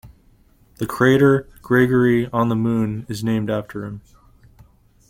The crater Gregory on the Moon is named after him.